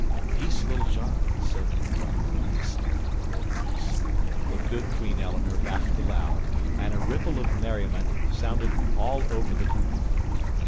"Peace, Little John!" said Robin Hood hastily, in a low voice; but good Queen Eleanor laughed aloud, and a ripple of merriment sounded all over the booth.